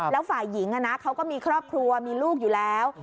แล้วฝ่ายหญิงเขาก็มีครอบครัวมีลูกอยู่แล้ว